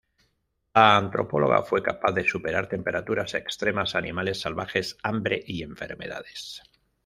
La antropóloga fue capaz de superar temperaturas extremas, animales salvajes, hambre y enfermedades.